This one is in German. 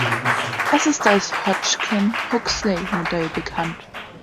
Es ist als „Hodgkin-Huxley-Modell“ bekannt.